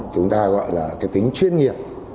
chúng ta gọi là cái tính chuyên nghiệp